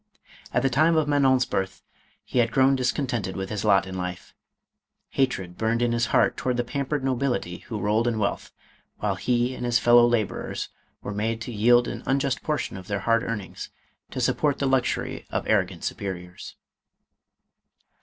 At the time of Manon 's birth he had grown discontented with his lot in life ; hatred burned in his heart towards the pampered nobility who rolled in wealth, while he and his fellow laborers, were made to yield an unjust portion of their hard earnings to support the luxury of arrogant superiors.